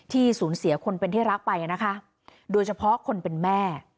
สูญเสียคนเป็นที่รักไปนะคะโดยเฉพาะคนเป็นแม่